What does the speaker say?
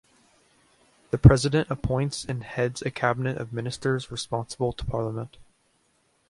The President appoints and heads a cabinet of ministers responsible to Parliament.